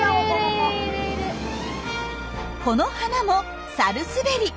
この花もサルスベリ。